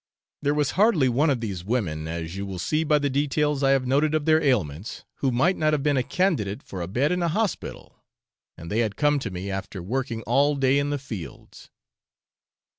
There was hardly one of these women, as you will see by the details I have noted of their ailments, who might not have been a candidate for a bed in an hospital, and they had come to me after working all day in the fields.